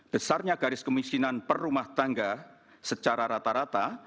besarnya garis kemiskinan per rumah tangga secara rata rata